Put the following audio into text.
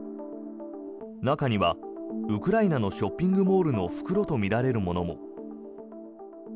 中にはウクライナのショッピングモールの袋とみられるものも。